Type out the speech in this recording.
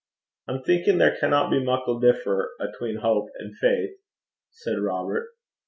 'I'm thinkin' there canna be muckle differ atween houp an' faith,' said Robert.